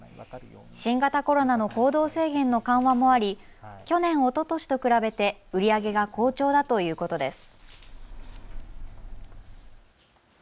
新型コロナの行動制限の緩和もあり去年、おととしと比べて売り上げが好調だということです。